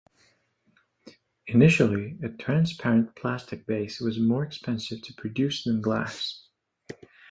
Initially, a transparent plastic base was more expensive to produce than glass.